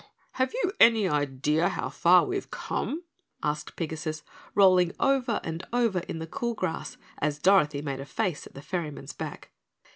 "Have you any idea how far we've come?" asked Pigasus, rolling over and over in the cool grass as Dorothy made a face at the ferryman's back.